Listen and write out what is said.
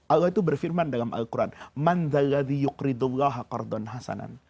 allah itu berfirman dalam al quran hasanan